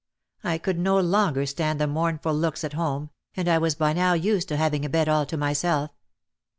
I could no longer stand the mournful looks at home, and I was by now used to having a bed all to myself.